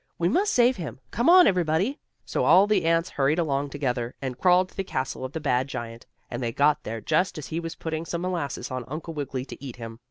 "We must save him. Come on, everybody!" So all the ants hurried along together, and crawled to the castle of the bad giant, and they got there just as he was putting some molasses on Uncle Wiggily to eat him.